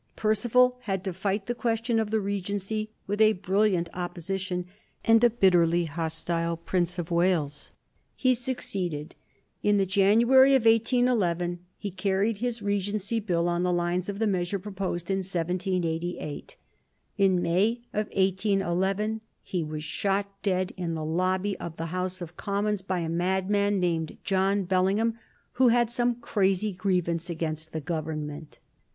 Perceval had to fight the question of the Regency with a brilliant Opposition and a bitterly hostile Prince of Wales. He succeeded, in the January of 1811, in carrying his Regency Bill on the lines of the measure proposed in 1788. In May, 1811, he was shot dead, in the Lobby of the House of Commons, by a madman named John Bellingham, who had some crazy grievance against the Government.